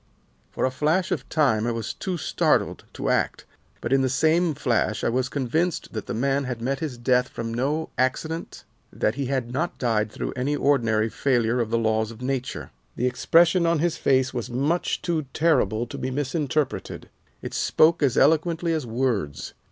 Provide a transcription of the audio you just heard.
"For a flash of time I was too startled to act, but in the same flash I was convinced that the man had met his death from no accident, that he had not died through any ordinary failure of the laws of nature. The expression on his face was much too terrible to be misinterpreted. It spoke as eloquently as words.